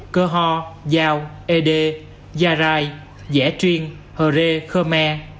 cơ hò giao ê đê gia rai dẻ truyền hờ rê khơ me